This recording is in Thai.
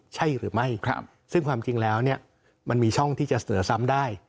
ใช่หรือไม่ซึ่งความจริงแล้วเนี่ยมันมีช่องที่จะเสนอซ้ำได้